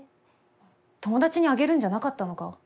友達にあげるんじゃなかったのか？